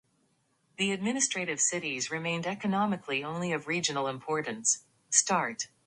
The administrative cities remained economically only of regional importance.